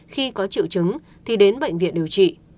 khi có triệu chứng thì đến bệnh viện điều trị